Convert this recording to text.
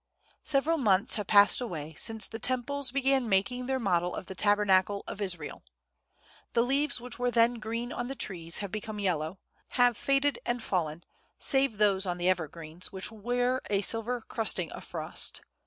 SEVERAL months have passed away since the Temples began making their model of the Tabernacle of Israel. The leaves which were then green on the trees, have become yellow, have faded and fallen; save those on the evergreens, which wear a silver crusting of frost.